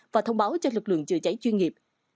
và thông báo cho lực lượng chữa cháy chuyên nghiệp